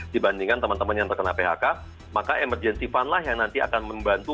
dibandingkan teman teman yang terkena phk maka emergency fund lah yang nanti akan membantu